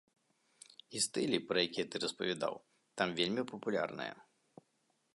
І стылі, пра якія ты распавядаў, там вельмі папулярныя.